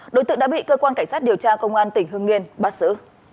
đối tượng đã bị cơ quan cảnh sát điều tra công an tỉnh hương yên bắt xử